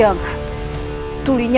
aku negara diligence